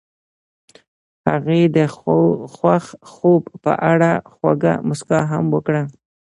هغې د خوښ خوب په اړه خوږه موسکا هم وکړه.